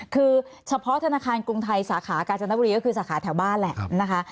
คือเฉพาะธนาคารกรุงไทยสาขากาญจนบุรีก็คือสาขาแถวบ้านแหละนะคะ